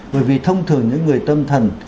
bởi vì thông thường những người tâm thần